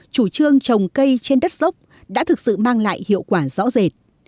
chủ trương trồng cây trên đất dốc đã thực sự mang lại hiệu quả rõ rệt